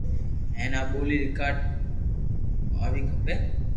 ھين آ ٻولي رآڪارذ ۔ آوي کپي